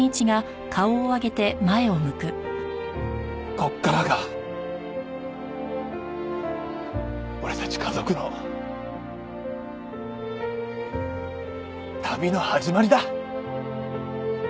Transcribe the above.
ここからが俺たち家族の旅の始まりだ！